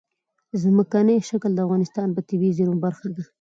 ځمکنی شکل د افغانستان د طبیعي زیرمو برخه ده.